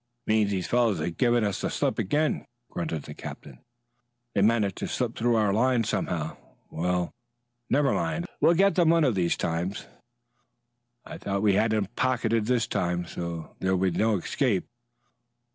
"It means those fellows have given us the slip again," grunted the captain. "They've managed to slip through our lines somehow. Well, never mind, we'll get them one of these times. I thought we had them pocketed this time so there would be no escape."